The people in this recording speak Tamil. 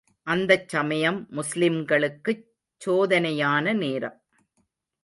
அந்தச் சமயம், முஸ்லிம்களுக்குச் சோதனையான நேரம்.